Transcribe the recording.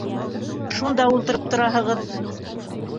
Шунда ултырып тораһығыҙ.